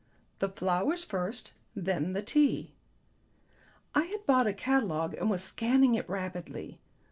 "The flowers first; then the tea." I had bought a catalogue and was scanning it rapidly.